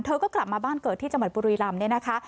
เธอก็กลับมาบ้านเกิดที่จังหวัดบุรีรำ